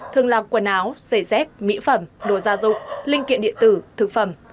thường làm quần áo giày dép mỹ phẩm đồ gia dụng linh kiện điện tử thực phẩm